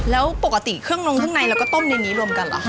แล้วปกติเครื่องนงข้างในเราก็ต้มในนี้รวมกันเหรอคะ